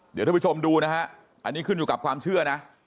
เดี๋ยวท่านผู้ชมดูนะฮะอันนี้ขึ้นอยู่กับความเชื่อนะ